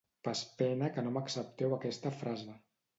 Pas pena que no m'accepteu aquesta frase.